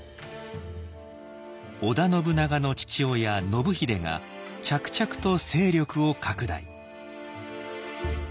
織田信長の父親信秀が着々と勢力を拡大。